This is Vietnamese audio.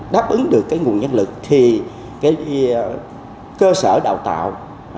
đáp ứng được cái nguồn nhân lực thì cái cơ sở đào tạo